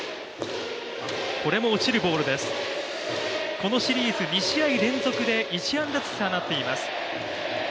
このシリーズ、２試合連続で１安打となっています。